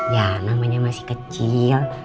ya namanya masih kecil